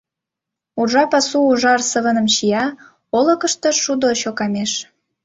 Уржа пасу ужар сывыным чия, олыкышто шудо чокамеш.